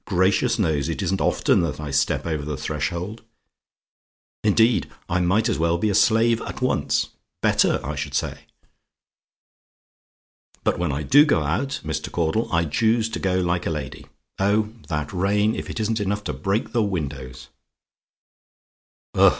Gracious knows! it isn't often that I step over the threshold; indeed, I might as well be a slave at once, better, I should say. But when I do go out, Mr. Caudle, I choose to go like a lady. Oh! that rain if it isn't enough to break in the windows. "Ugh!